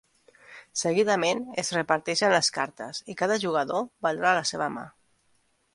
Seguidament, es reparteixen les cartes, i cada jugador valora la seva mà.